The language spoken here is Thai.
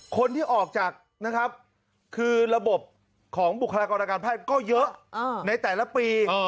คนที่ออกจากระบบของบุคลากรการแพทย์ก็เยอะในแต่ละปี